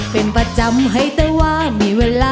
เป็นประจำให้แต่ว่ามีเวลา